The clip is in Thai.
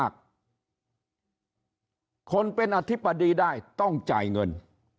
คนเป็นอธิบดีได้ต้องจ่ายเงิน